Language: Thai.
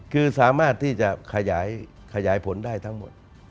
คือสามารถที่จะขยายผลได้ทั้งหมด